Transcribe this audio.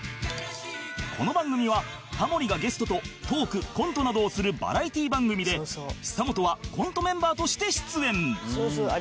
この番組はタモリがゲストとトークコントなどをするバラエティ番組で久本はコントメンバーとして出演